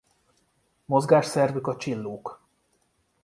Mozgásszervük a csillók